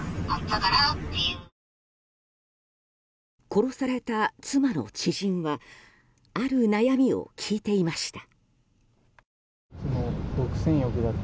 殺された妻の知人はある悩みを聞いていました。